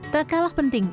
tak kalah penting